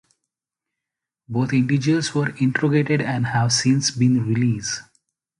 Both individuals were interrogated and have since been released.